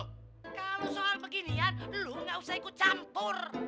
kalau soal beginian lo gak usah ikut campur